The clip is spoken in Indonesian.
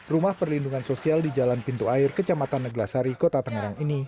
rumah perlindungan sosial di jalan pintu air kecamatan neglasari kota tangerang ini